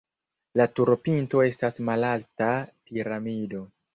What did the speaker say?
La turopinto estas malalta piramido.